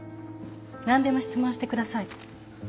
何でも質問してください。